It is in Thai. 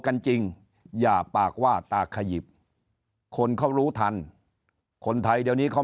กันจริงอย่าปากว่าตาขยิบคนเขารู้ทันคนไทยเดี๋ยวนี้เขา